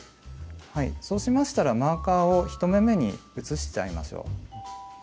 そうしましたらマーカーを１目めに移しちゃいましょう。